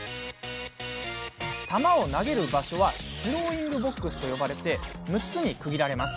球を投げる場所はスローイングボックスと呼ばれて６つに区切られます。